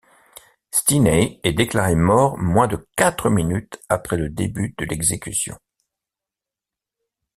Stinney est déclaré mort moins de quatre minutes après le début de l'exécution.